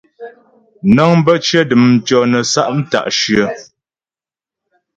Nəŋ bə́ cyə dəm tʉɔ̂ nə́ sa' mta'shyə̂.